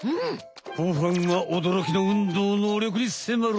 後半は驚きの運動能力にせまる！